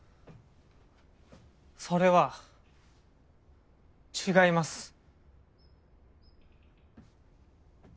それは違います。